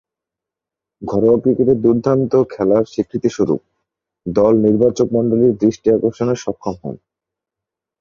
ঘরোয়া ক্রিকেটে দূর্দান্ত খেলার স্বীকৃতিস্বরূপ দল নির্বাচকমণ্ডলীর দৃষ্টি আকর্ষণে সক্ষম হন।